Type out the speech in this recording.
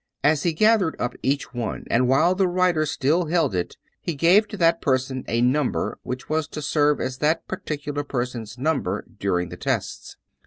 As he gathered up each one, and while the writer still held it, he gave to that person a number which was to serve as that particular person's number during the tests.